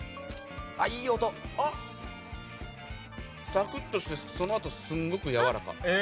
サクッとしてそのあとすんごくやわらか。